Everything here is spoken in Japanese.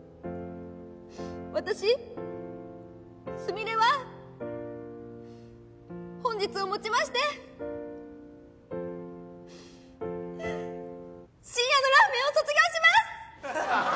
私すみれは本日をもちまして深夜のラーメンを卒業します！